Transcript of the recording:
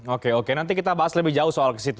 oke oke nanti kita bahas lebih jauh soal kesitu